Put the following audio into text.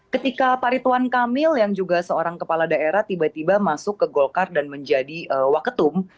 ketika pak rituan kamil yang juga seorang kepala daerah tiba tiba masuk ke golkar dan menjadi waketum